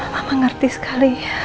mama ngerti sekali